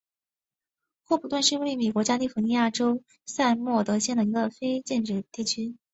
霍普顿是位于美国加利福尼亚州默塞德县的一个非建制地区。